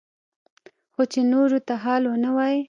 خو چې نورو ته حال ونه وايي.